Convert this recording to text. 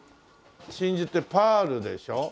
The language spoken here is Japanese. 真珠ってパールでしょ？